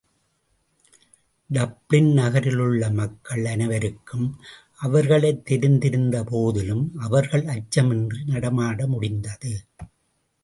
Dublin நகரிலுள்ள மக்கள் அனைவருக்கும் அவர்களைத் தெரிந்திருந்த போதிலும், அவர்கள் அச்சமின்றி நடமாட முடிந்தது.